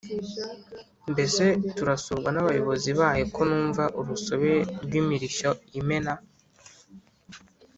mbese turasurwa n’abayozi bahe ko numva urusobe rw’imirishyo imena